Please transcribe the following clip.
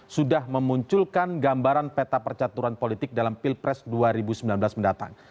sudah memunculkan gambaran peta percaturan politik dalam pilpres dua ribu sembilan belas mendatang